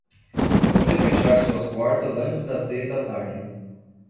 Se você fechar suas portas antes das seis da tarde.